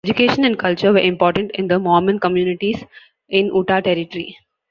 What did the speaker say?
Education and culture were important in the Mormon communities in Utah Territory.